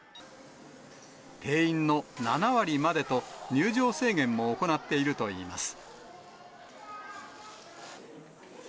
定員の７割までと、入場制限も行っているといいます。